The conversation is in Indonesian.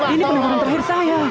ini penawaran terakhir saya